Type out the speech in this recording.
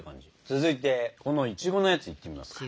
続いてこのいちごのやついってみますか。